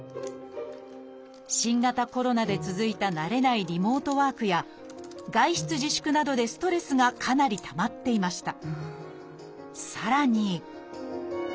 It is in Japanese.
新型コロナで続いた慣れないリモートワークや外出自粛などでストレスがかなりたまっていました。